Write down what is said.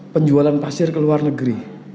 penjualan pasir ke luar negeri